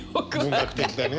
文学的だね。